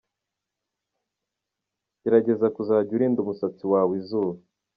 Gerageza kuzajya urinda umusatsi wawe izuba.